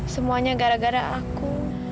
semuanya gara gara aku